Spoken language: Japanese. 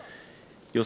予想